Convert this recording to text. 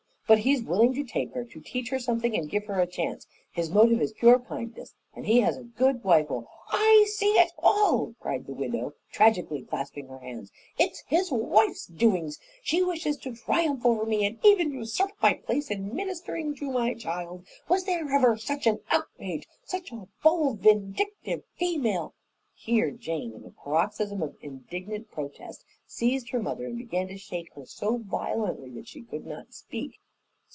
"But he's willing to take her, to teach her something and give her a chance. His motive is pure kindness, and he has a good wife who'll " "I see it all," cried the widow, tragically clasping her hands. "It's his wife's doings! She wishes to triumph over me, and even to usurp my place in ministering to my child. Was there ever such an outrage? Such a bold, vindictive female " Here Jane, in a paroxysm of indignant protest, seized her mother and began to shake her so violently that she could not speak.